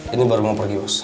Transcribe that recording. ini baru mau pergi